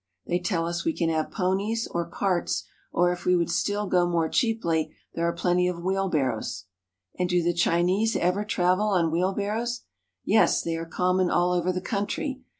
They tell us we can have ponies or carts or, if we would go still more cheaply, there are plenty of wheel barrows. And do the Chinese ever travel on wheelbarrows ? Yes, they are common all over the country.